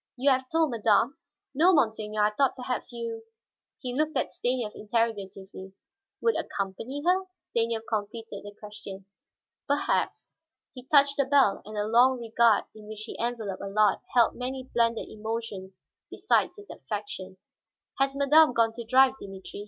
"You have told madame?" "No, monseigneur. I thought perhaps you " he looked at Stanief interrogatively. "Would accompany her?" Stanief completed the question. "Perhaps." He touched the bell, and the long regard in which he enveloped Allard held many blended emotions besides its affection. "Has madame gone to drive, Dimitri?"